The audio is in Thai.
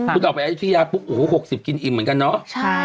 คุณออกไปอายุทยาปุ๊บโอ้โห๖๐กินอิ่มเหมือนกันเนาะ